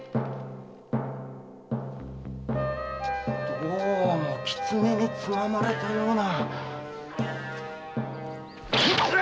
どうも狐につままれたような。